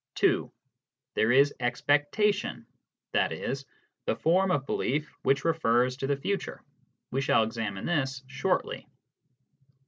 (2) There is expectation, i.e., that form of belief which refers to the future ; we shall examine this shortly.